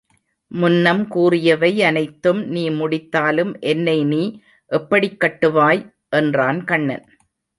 முன்னம் கூறியவை அனைத்தும் நீ முடித்தாலும் என்னை நீ எப்படிக் கட்டுவாய்? என்றான் கண்ணன்.